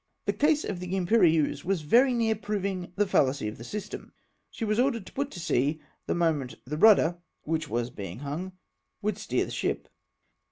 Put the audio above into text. The case of the Imperieuse was very near proving the fallacy of the system. She was ordered to put to sea, the moment the rudder — which was being hung — DKIFT TOWARDS USHANT. 211 would steer the ship.